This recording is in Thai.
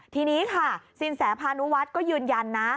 ทีนี้ค่ะสินแสพานุวัฒน์ก็ยืนยันนะ